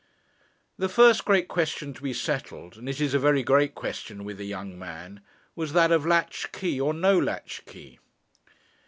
The first great question to be settled, and it is a very great question with a young man, was that of latch key or no latch key.